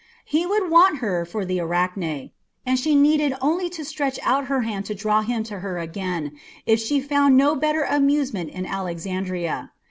He would want her for the Arachne, and she needed only to stretch out her hand to draw him to her again if she found no better amusement in Alexandria.